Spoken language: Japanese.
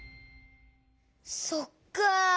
そっか。